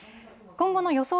今後の予想